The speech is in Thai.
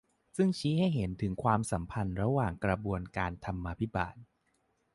ซึ่งชี้ให้เห็นถึงความสัมพันธ์ระหว่างกระบวนการธรรมาภิบาล